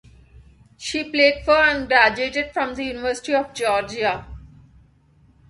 She played for, and graduated from, the University of Georgia.